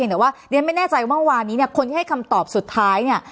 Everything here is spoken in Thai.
แต่ว่าเรียนไม่แน่ใจว่าคนที่ให้คำตอบสุดท้าย